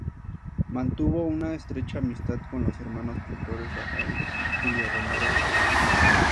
Mantuvo una estrecha amistad con los hermanos pintores Rafael y Julio Romero de Torres.